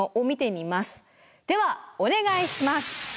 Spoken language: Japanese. ではお願いします。